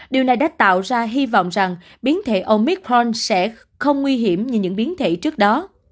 điều này đã tạo ra hy vọng rằng biến thể omicron sẽ không nguy hiểm như những biến thể trước đó